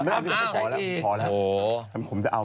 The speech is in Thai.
เอาไปเศษตรีมาเป็นแบบที่หมาย